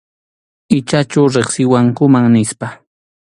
Ichachu riqsiwankuman nispa.